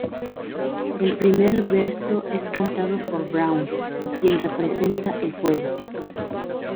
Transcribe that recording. El primer verso es cantado por Brown, quien representa el fuego.